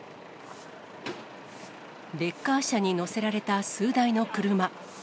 レッカー車に載せられた数台の車。